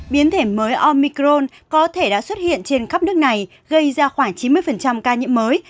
biến thể mới omicrone có thể đã xuất hiện trên khắp nước này gây ra khoảng chín mươi ca nhiễm mới